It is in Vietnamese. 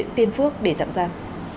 nguyễn tiên phước để tạm gian